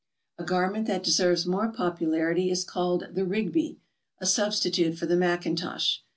A garment that deserves more popularity is called the Rigby, a substitute for the mackintosh.